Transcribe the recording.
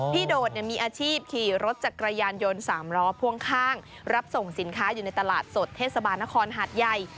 โดดมีอาชีพขี่รถจักรยานยนต์๓ล้อพ่วงข้างรับส่งสินค้าอยู่ในตลาดสดเทศบาลนครหาดใหญ่